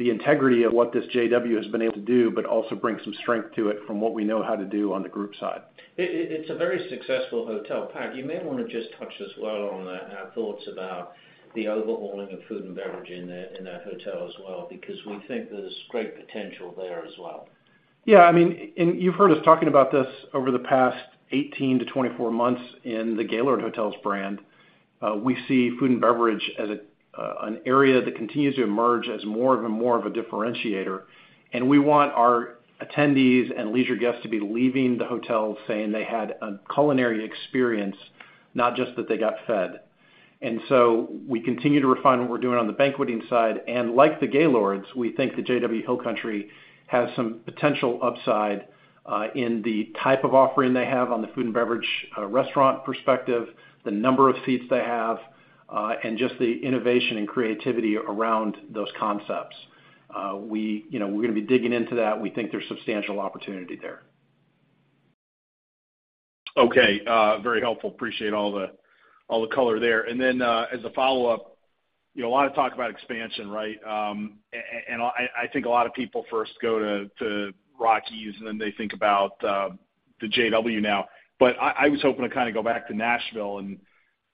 integrity of what this JW has been able to do, but also bring some strength to it from what we know how to do on the group side. It's a very successful hotel pack. You may want to just touch as well on that and our thoughts about the overhauling of food and beverage in that, in that hotel as well, because we think there's great potential there as well. Yeah, I mean, you've heard us talking about this over the past 18 months-24 months in the Gaylord Hotels brand. We see food and beverage as a an area that continues to emerge as more of and more of a differentiator. We want our attendees and leisure guests to be leaving the hotel saying they had a culinary experience, not just that they got fed. We continue to refine what we're doing on the banqueting side, and like the Gaylords, we think the JW Hill Country has some potential upside, in the type of offering they have on the food and beverage, restaurant perspective, the number of seats they have, and just the innovation and creativity around those concepts. We, you know, we're going to be digging into that. We think there's substantial opportunity there. Okay, very helpful. Appreciate all the, all the color there. Then, as a follow-up, you know, a lot of talk about expansion, right? I, I think a lot of people first go to, to Rockies, then they think about the JW now. I, I was hoping to kind of go back to Nashville,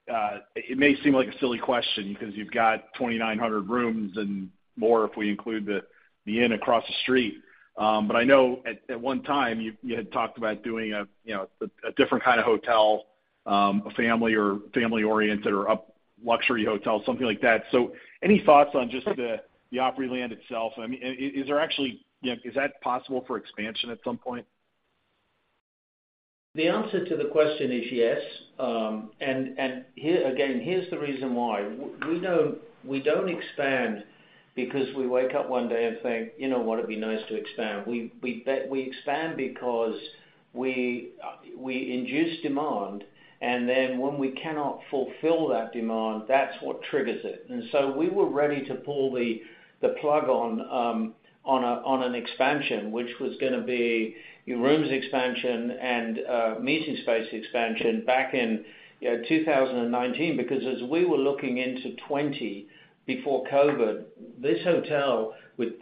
it may seem like a silly question because you've got 2,900 rooms and more if we include the, the Inn across the street. I know at, at one time, you, you had talked about doing a, you know, a different kind of hotel, a family or family oriented or up luxury hotel, something like that. Any thoughts on just the, the Opryland itself? I mean, is, is there actually? You know, is that possible for expansion at some point? The answer to the question is yes. And again, here's the reason why. We don't, we don't expand because we wake up one day and think, "You know, would it be nice to expand?" We expand because we induce demand, and then when we cannot fulfill that demand, that's what triggers it. So we were ready to pull the plug on an expansion, which was going to be rooms expansion and meeting space expansion back in, you know, 2019. Because as we were looking into 2020, before COVID, this hotel, with, as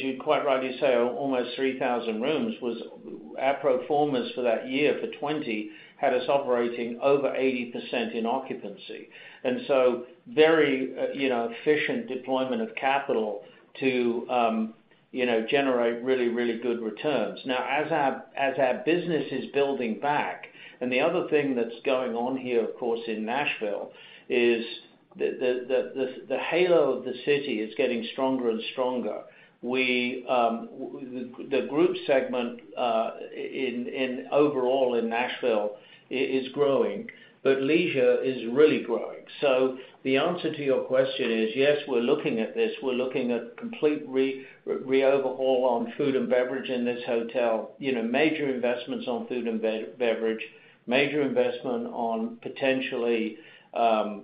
you quite rightly say, almost 3,000 rooms, was our pro formas for that year, for 2020, had us operating over 80% in occupancy. So very, you know, efficient deployment of capital to, you know, generate really, really good returns. Now, as our, as our business is building back, and the other thing that's going on here, of course, in Nashville, is the, the, the, the halo of the city is getting stronger and stronger. We, the, the group segment, in, in overall in Nashville is growing, but leisure is really growing. The answer to your question is, yes, we're looking at this. We're looking at complete re-overhaul on food and beverage in this hotel, you know, major investments on food and beverage, major investment on potentially,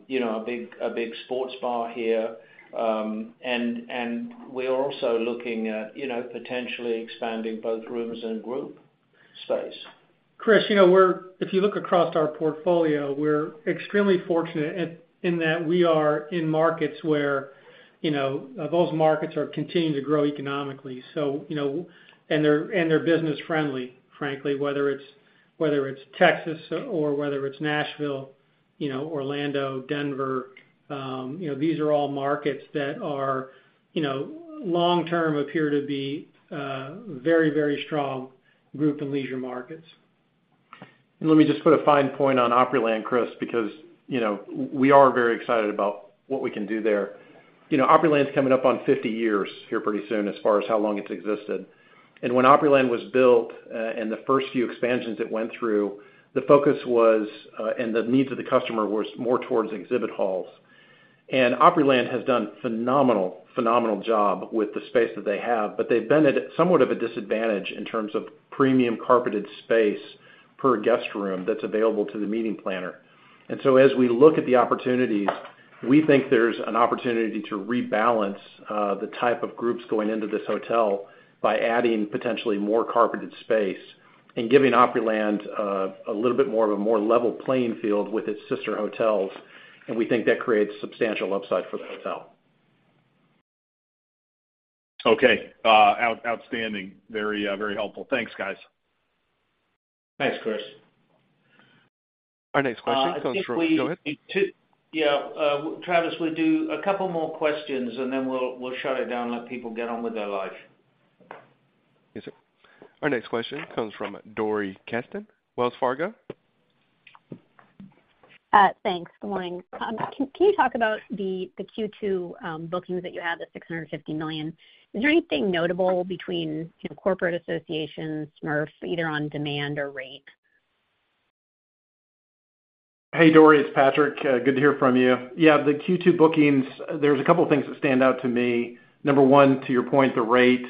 you know, a big, a big sports bar here. We are also looking at, you know, potentially expanding both rooms and group space. Chris, you know, we're if you look across our portfolio, we're extremely fortunate in that we are in markets where, you know, those markets are continuing to grow economically. You know, and they're, and they're business friendly, frankly, whether it's, whether it's Texas or whether it's Nashville, you know, Orlando, Denver, you know, these are all markets that are, you know, long term appear to be very, very strong group and leisure markets. Let me just put a fine point on Opryland, Chris, because, you know, we are very excited about what we can do there. You know, Opryland's coming up on 50 years here pretty soon, as far as how long it's existed. When Opryland was built, and the first few expansions it went through, the focus was, and the needs of the customer was more towards exhibit halls. Opryland has done phenomenal, phenomenal job with the space that they have, but they've been at somewhat of a disadvantage in terms of premium carpeted space per guest room that's available to the meeting planner. As we look at the opportunities, we think there's an opportunity to rebalance the type of groups going into this hotel by adding potentially more carpeted space and giving Opryland a little bit more of a more level playing field with its sister hotels, and we think that creates substantial upside for the hotel. Okay, outstanding. Very, very helpful. Thanks, guys. Thanks, Chris. Our next question comes. I think. Go ahead. Yeah, Travis, we'll do two more questions, and then we'll, we'll shut it down and let people get on with their life. Yes, sir. Our next question comes from Dori Kesten, Wells Fargo. Thanks. Good morning. Can you talk about the Q2 bookings that you had, the $650 million? Is there anything notable between Corporate associations, RFP, either on demand or rate? Hey, Dori, it's Patrick. good to hear from you. Yeah, the Q2 bookings, there's a couple of things that stand out to me. Number one, to your point, the rate,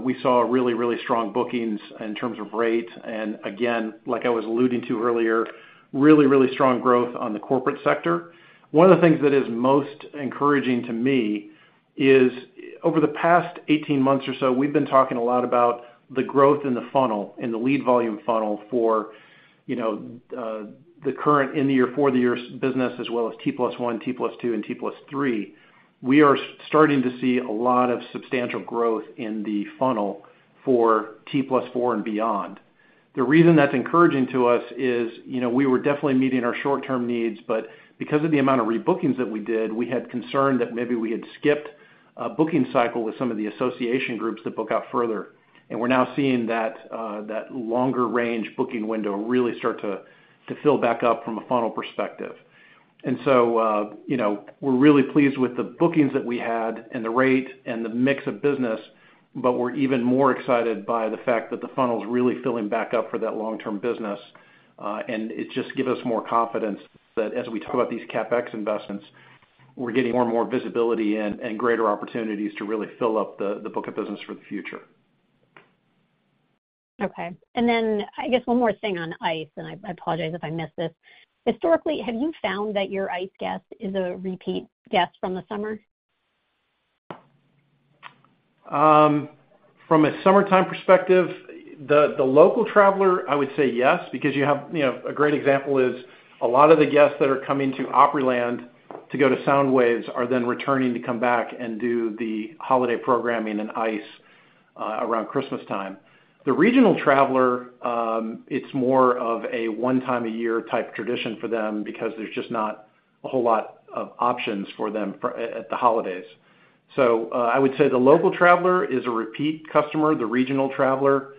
we saw really, really strong bookings in terms of rate, and again, like I was alluding to earlier, really, really strong growth on the Corporate sector. One of the things that is most encouraging to me is, over the past 18 months or so, we've been talking a lot about the growth in the funnel and the lead volume funnel for... you know, the current in the year, for the year business, as well as T+1, T+2, and T+3, we are starting to see a lot of substantial growth in the funnel for T+4 and beyond. The reason that's encouraging to us is, you know, we were definitely meeting our short-term needs, but because of the amount of rebookings that we did, we had concern that maybe we had skipped a booking cycle with some of the association groups that book out further. We're now seeing that longer range booking window really start to fill back up from a funnel perspective. You know, we're really pleased with the bookings that we had and the rate and the mix of business, but we're even more excited by the fact that the funnel is really filling back up for that long-term business. It just gives us more confidence that as we talk about these CapEx investments, we're getting more and more visibility and greater opportunities to really fill up the book of business for the future. Okay. I guess one more thing on ICE!, and I, I apologize if I missed this. Historically, have you found that your ICE! guest is a repeat guest from the summer? From a summertime perspective, the, the local traveler, I would say yes, because you have, you know, a great example is a lot of the guests that are coming to Opryland to go to SoundWaves are then returning to come back and do the holiday programming and ICE!, around Christmas time. The regional traveler, it's more of a one time a year type tradition for them because there's just not a whole lot of options for them at the holidays. I would say the local traveler is a repeat customer. The regional traveler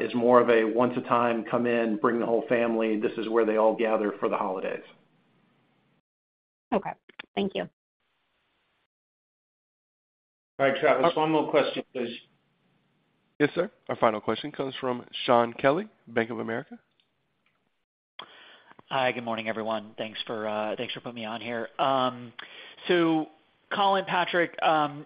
is more of a once a time, come in, bring the whole family, this is where they all gather for the holidays. Okay, thank you. All right, Travis, one more question, please. Yes, sir. Our final question comes from Sean Kelly, Bank of America. Hi, good morning, everyone. Thanks for, thanks for putting me on here. Colin, Patrick,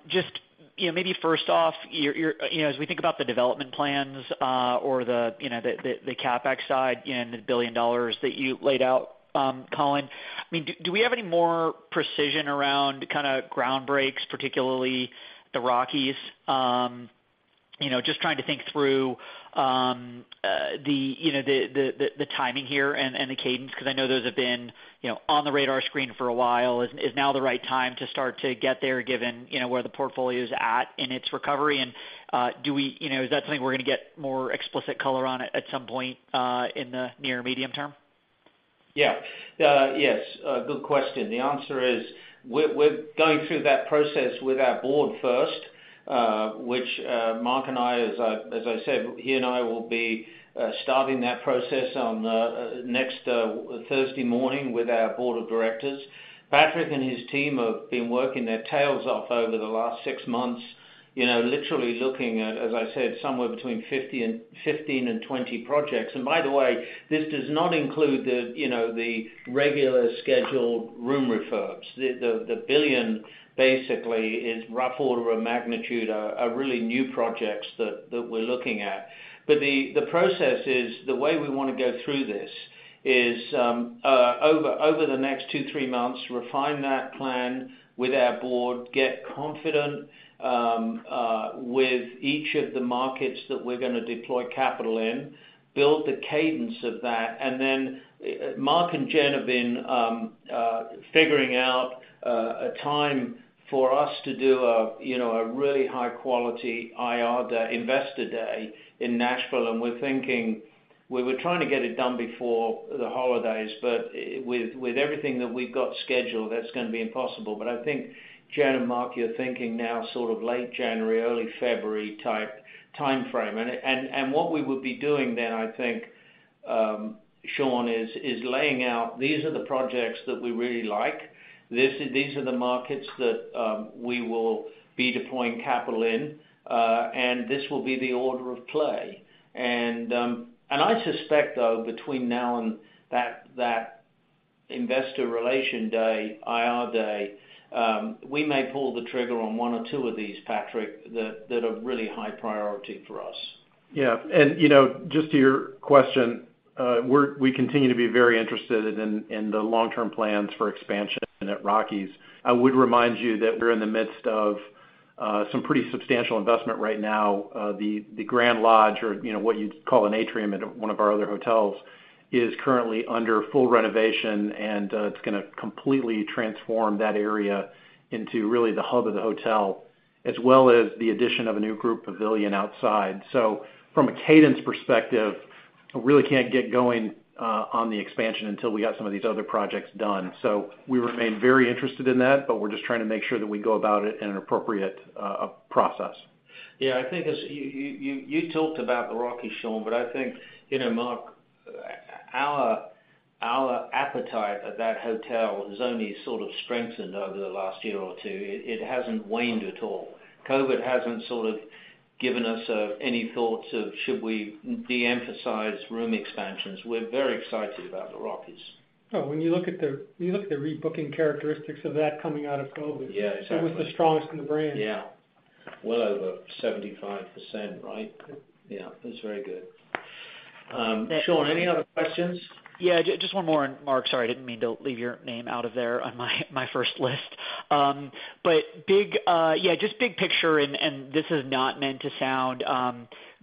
just, you know, maybe first off, your, your- you know, as we think about the development plans, or the, you know, the, the, the CapEx side and the $1 billion that you laid out, Colin, I mean, do, do we have any more precision around kind of ground breaks, particularly the Rockies? You know, just trying to think through, the, you know, the, the, the, the timing here and, and the cadence, because I know those have been, you know, on the radar screen for a while. Is, is now the right time to start to get there, given, you know, where the portfolio is at in its recovery? You know, is that something we're going to get more explicit color on at, at some point, in the near medium term? Yeah. Yes, good question. The answer is, we're, we're going through that process with our board first, which Mark and I, as I, as I said, he and I will be starting that process on next Thursday morning with our board of directors. Patrick and his team have been working their tails off over the last six months, you know, literally looking at, as I said, somewhere between 15 and 20 projects. By the way, this does not include the, you know, the regular scheduled room refurbs. The, the, the $1 billion basically is rough order of magnitude of really new projects that, that we're looking at. The, the process is, the way we wanna go through this is, over, over the next two, three months, refine that plan with our board, get confident with each of the markets that we're gonna deploy capital in, build the cadence of that, and then Mark and Jen have been figuring out a time for us to do a, you know, a really high quality IR Day, Investor Day in Nashville. We're thinking... We were trying to get it done before the holidays, but with, with everything that we've got scheduled, that's gonna be impossible. I think Jen and Mark, you're thinking now sort of late January, early February type timeframe. What we would be doing then, I think, Sean, is, is laying out, these are the projects that we really like. These are the markets that we will be deploying capital in, and this will be the order of play. I suspect, though, between now and that investor relation day, IR day, we may pull the trigger on one or two of these, Patrick, that are really high priority for us. Yeah, and, you know, just to your question, we continue to be very interested in, in the long-term plans for expansion at Rockies. I would remind you that we're in the midst of some pretty substantial investment right now. The Grand Lodge, or, you know, what you'd call an atrium at one of our other hotels, is currently under full renovation, and it's gonna completely transform that area into really the hub of the hotel, as well as the addition of a new group pavilion outside. From a cadence perspective, we really can't get going on the expansion until we got some of these other projects done. We remain very interested in that, but we're just trying to make sure that we go about it in an appropriate process. I think as you talked about the Rockies, Sean, I think, you know, Mark, our appetite at that hotel has only sort of strengthened over the last year or two. It hasn't waned at all. COVID hasn't sort of given us any thoughts of should we de-emphasize room expansions. We're very excited about the Rockies. Oh, when you look at the, you look at the rebooking characteristics of that coming out of COVID. Yeah, exactly. It was the strongest in the brand. Yeah. Well over 75%, right? Yep. Yeah, that's very good. Sean, any other questions? Yeah, just one more, and Mark, sorry, I didn't mean to leave your name out of there on my, my first list. Big, yeah, just big picture, and this is not meant to sound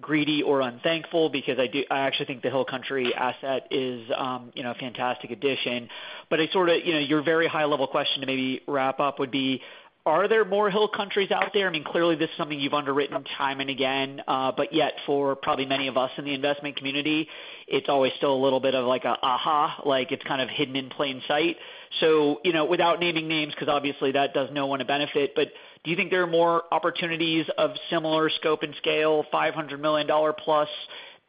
greedy or unthankful, because I do-- I actually think the Hill Country asset is, you know, a fantastic addition. I sort of, you know, your very high level question to maybe wrap up would be: Are there more Hill Countries out there? I mean, clearly, this is something you've underwritten time and again, but yet for probably many of us in the investment community, it's always still a little bit of like a aha, like, it's kind of hidden in plain sight. You know, without naming names, because obviously, that does no one a benefit, but do you think there are more opportunities of similar scope and scale, $500 million plus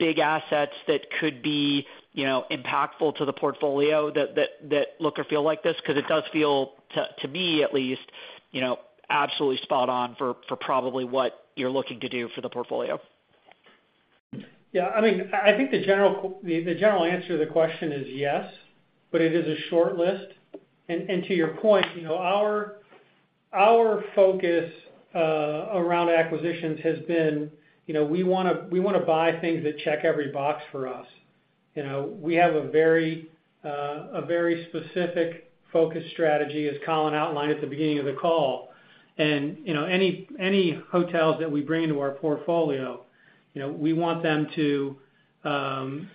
big assets that could be, you know, impactful to the portfolio that, that, that look or feel like this? Because it does feel, to, to me at least, you know, absolutely spot on for, for probably what you're looking to do for the portfolio. Yeah, I mean, I think the general answer to the question is yes, but it is a short list. to your point, you know, our focus around acquisitions has been, you know, we wanna, we wanna buy things that check every box for us. You know, we have a very, a very specific focus strategy, as Colin outlined at the beginning of the call. you know, any, any hotels that we bring into our portfolio, you know, we want them to,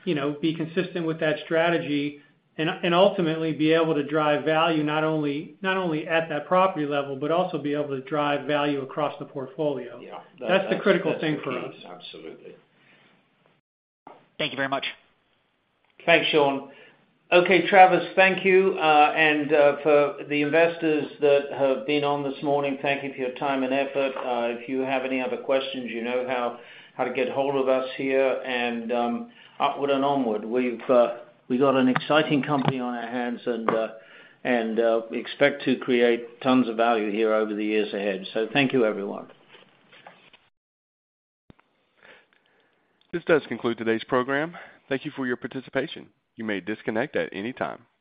you know, be consistent with that strategy and ultimately be able to drive value, not only, not only at that property level, but also be able to drive value across the portfolio. Yeah. That's the critical thing for us. Absolutely. Thank you very much. Thanks, Sean. Okay, Travis, thank you. For the investors that have been on this morning, thank you for your time and effort. If you have any other questions, you know how, how to get hold of us here and upward and onward. We've got an exciting company on our hands, and we expect to create tons of value here over the years ahead. Thank you, everyone. This does conclude today's program. Thank you for your participation. You may disconnect at any time.